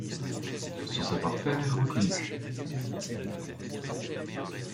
Son savoir-faire est reconnu.